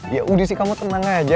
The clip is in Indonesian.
ya udah sih kamu tenang aja